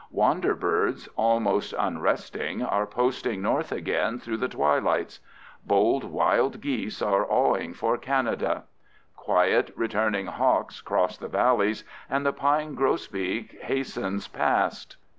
Wander birds, almost unresting, are posting north again through the twilights. Bold wild geese are awing for Canada. Quiet returning hawks cross the valleys, and the pine grosbeak hastens past.